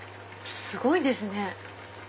すごいですね。